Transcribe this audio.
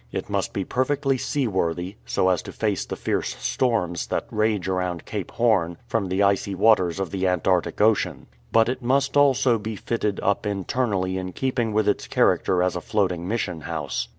It must be perfectly seaworthy, so as to face the fierce storms that rage around Cape Horn from the icy waters of the Ant arctic Ocean. But it must also be fitted up internally in keeping with its character as a floating mission house.